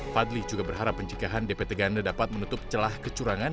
fadli juga berharap pencegahan dpt ganda dapat menutup celah kecurangan